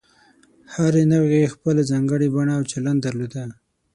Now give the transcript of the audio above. هرې نوعې خپله ځانګړې بڼه او چلند درلود.